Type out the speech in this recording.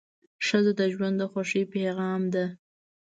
ښځه د ژوند د خوښۍ پېغام ده.